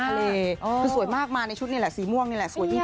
ทะเลคือสวยมากมาในชุดนี่แหละสีม่วงนี่แหละสวยจริง